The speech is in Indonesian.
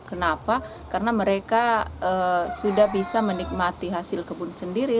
kenapa karena mereka sudah bisa menikmati hasil kebun sendiri